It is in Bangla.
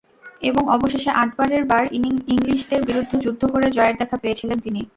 এবং অবশেষে আটবারের বার ইংলিশদের বিরুদ্ধে যুদ্ধ করে জয়ের দেখা পেয়েছিলেন তিনি।